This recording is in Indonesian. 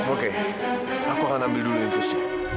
oke aku akan ambil dulu infus